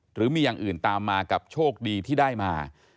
หรือมีอย่างอื่นตามมากับโชคดีที่ได้มา